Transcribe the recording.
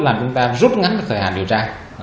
làm chúng ta rút ngắn được thời hạn điều tra